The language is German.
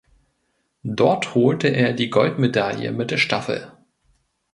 Dort holte er die Goldmedaille mit der Staffel.